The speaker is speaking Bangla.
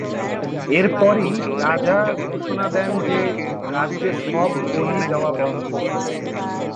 এরপরই রাজা ঘোষণা দেন যে রাজ্যে সব বলি দেওয়া বন্ধ।